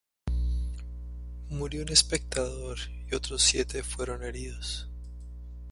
Murió un espectador y otros siete fueron heridos.